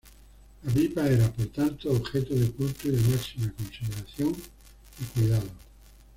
La pipa era, por tanto, objeto de culto y de máxima consideración y cuidado.